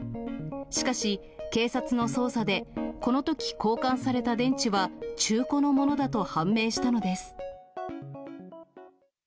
しかし、警察の捜査でこのとき、交換された電池は中古の物だと判明したのです。